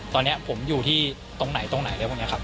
ตอนนี้ผมอยู่ที่ตรงไหนตรงไหนอะไรพวกนี้ครับ